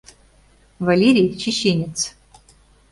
Валерий — «чеченец».